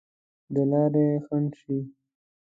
د لارې خنډ شي.